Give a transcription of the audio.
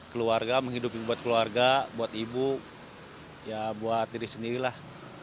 keluarga menghidupi buat keluarga buat ibu ya buat diri sendiri lah